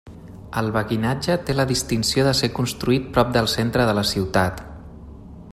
El Beguinatge té la distinció de ser construït prop del centre de la ciutat.